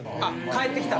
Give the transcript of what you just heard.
帰ってきたら。